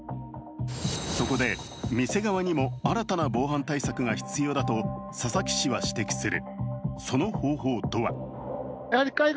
そこで店側にも新たな防犯対策が必要だと佐々木氏は指摘する。